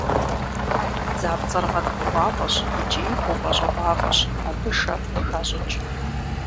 Бдзапцӏэр гъэткӏугъуафӏэщ икӏи упӏэщӏыгъуафӏэщ, абы шэ къыхащӏыкӏ.